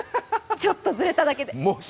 ちょっとずれただけで。